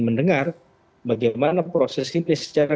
mendengar bagaimana proses ini secara